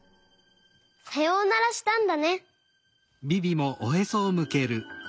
さようならしたんだね。